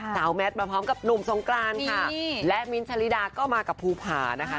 แมทมาพร้อมกับหนุ่มสงกรานค่ะและมิ้นท์ชะลิดาก็มากับภูผานะคะ